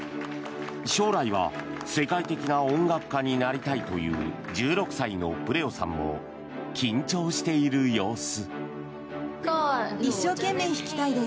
将来は世界的な音楽家になりたいという１６歳のプレオさんも緊張している様子。